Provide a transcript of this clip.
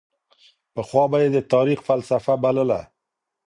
پخوا به یې د تاریخ فلسفه بلله.